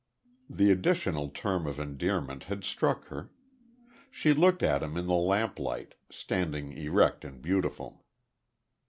The additional term of endearment had struck her. She looked at him in the lamplight, standing erect and beautiful.